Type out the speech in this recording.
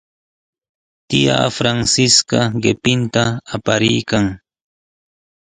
Tiyaa Francisca qipinta apariykan.